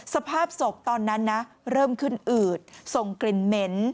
สภาพศพตอนนั้นนะเริ่มขึ้นอืดส่งกลิ่นเหม็น